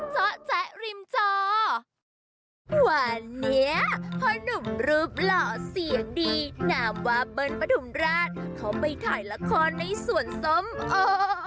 สวัสดีครับวันนี้พ่อหนุ่มรูปหล่อเสียงดีนามวาเบิ้ลประถุมราชเขาไปถ่ายละครในสวนสมโอ